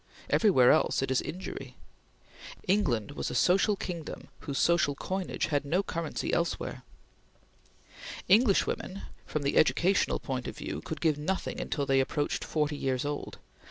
Everywhere else it is injury. England was a social kingdom whose social coinage had no currency elsewhere. Englishwomen, from the educational point of view, could give nothing until they approached forty years old.